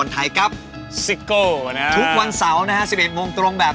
รักทุกคนนะครับ